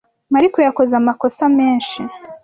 Mariko yakoze amakosa menshi.